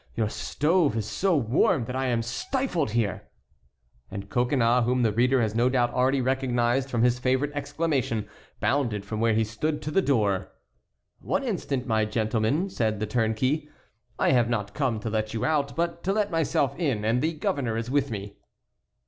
Your stove is so warm that I am stifled here." And Coconnas, whom the reader has no doubt already recognized from his favorite exclamation, bounded from where he stood to the door. "One instant, my gentleman," said the turnkey, "I have not come to let you out, but to let myself in, and the governor is with me."